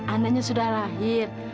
anaknya sudah lahir